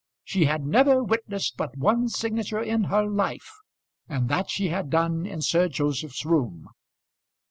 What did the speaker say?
She had never witnessed but one signature in her life, and that she had done in Sir Joseph's room.